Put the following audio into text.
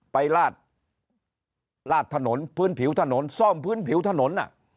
ลาดถนนพื้นผิวถนนซ่อมพื้นผิวถนน